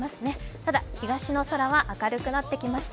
ただ東の空は明るくなってきました。